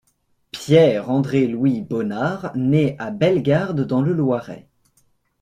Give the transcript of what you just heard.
Pierre-André-Louis Baunard naît à Bellegarde dans le Loiret.